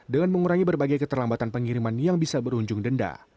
dengan mengurangi berbagai keterlambatan pengiriman yang bisa berujung denda